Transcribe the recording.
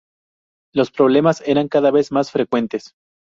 Los problemas eran cada vez más frecuentes.